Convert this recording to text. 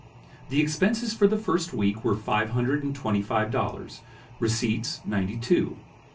The expenses for the first week were five hundred and twenty five dollars; receipts, ninety two.